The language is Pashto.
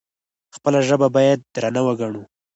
خپله ژبه باید درنه وګڼو.